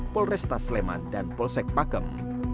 polresta sleman dan posek fakam